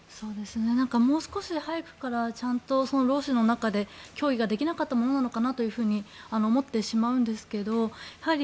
もう少し早くからちゃんと労使の中で協議ができなかったものなのかなと思ってしまうんですけどやはり